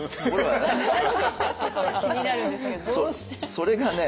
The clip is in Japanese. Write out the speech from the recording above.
それがね